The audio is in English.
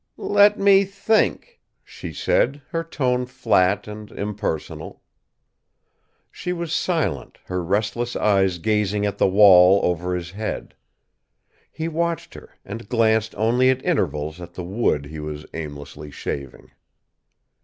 "Let me think," she said, her tone flat and impersonal. She was silent, her restless eyes gazing at the wall over his head. He watched her, and glanced only at intervals at the wood he was aimlessly shaving.